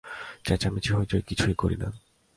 চেঁচামেচি হৈচৈ কিছুই করি না।